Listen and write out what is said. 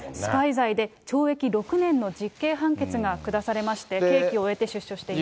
スパイ罪で懲役６年の実刑判決が下されまして刑期を終えて出所しています。